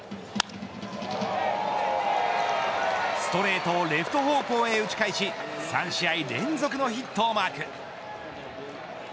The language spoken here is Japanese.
ストレートをレフト方向へ打ち返し３試合連続のヒットをマーク。